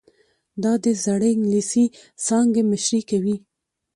دا د زړې انګلیسي څانګې مشري کوي.